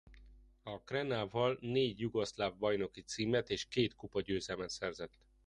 A Crvenával négy jugoszláv bajnoki címet és két kupagyőzelmet szerzett.